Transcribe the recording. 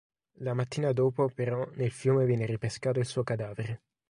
La mattina dopo, però, nel fiume viene ripescato il suo cadavere.